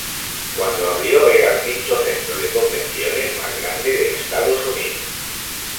Cuando abrió, era el quinto centro de convenciones más grande de Estados Unidos.